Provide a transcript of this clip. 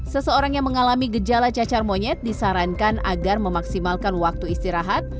seseorang yang mengalami gejala cacar monyet disarankan agar memaksimalkan waktu istirahat